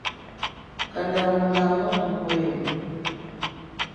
Kanda umulamba mukwenu.